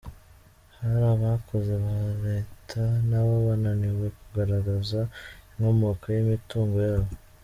Hari abakozi ba Leta nabo bananiwe kugaragaza inkomoko y’imitungo yabo.